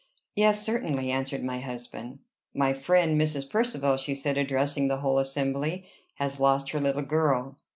"Yes, certainly," answered my husband. "My friend, Mrs. Percivale," she said, addressing the whole assembly, "has lost her little girl."